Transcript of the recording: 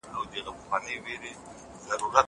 زه کولای سم سينه سپين وکړم!